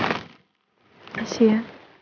terima kasih ya